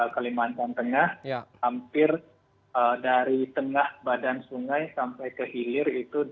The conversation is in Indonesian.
kalimantan tengah hampir dari tengah badan sungai sampai ke hilir itu